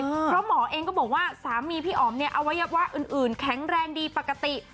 เพราะหมอเองก็บอกว่าสามีพี่อ๋อมเนี่ยอวัยวะอื่นแข็งแรงดีปกติ